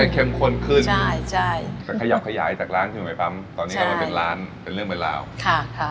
เข้มข้นขึ้นใช่ใช่แต่ขยับขยายจากร้านขึ้นไปปั๊มตอนนี้ก็มันเป็นร้านเป็นเรื่องเป็นราวค่ะ